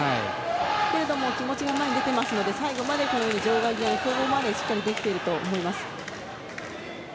だけれども気持ちが前に出てますので最後までしっかりできていると思います。